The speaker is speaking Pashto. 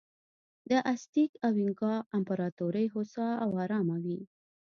د ازتېک او اینکا امپراتورۍ هوسا او ارامه وې.